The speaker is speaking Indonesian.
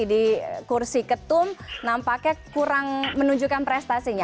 di kursi ketum nampaknya kurang menunjukkan prestasinya